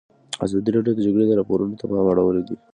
ازادي راډیو د د جګړې راپورونه ته پام اړولی.